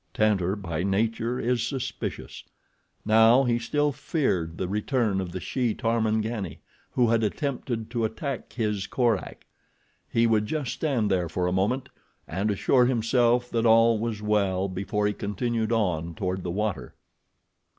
Tantor, by nature, is suspicious. Now he still feared the return of the she Tarmangani who had attempted to attack his Korak. He would just stand there for a moment and assure himself that all was well before he continued on toward the water.